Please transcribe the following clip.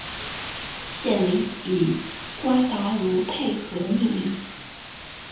县名以瓜达卢佩河命名。